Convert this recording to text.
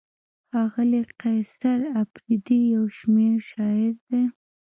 ښاغلی قیصر اپریدی یو شمېر شاعر دی.